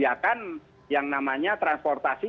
yang namanya transportasi yang namanya transportasi